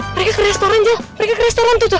mereka ke restoran jel mereka ke restoran tuh jel